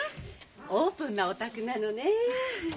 オープンなお宅なのねえ。